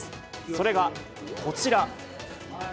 それがこちら。